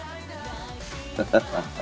ハハハハ。